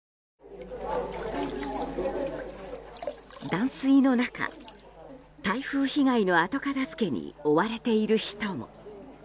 断水の中、台風被害の後片付けに追われている人も。